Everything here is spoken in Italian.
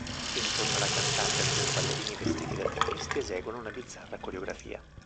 Intorno alla cantante alcuni ballerini vestiti da tennisti eseguono una bizzarra coreografia.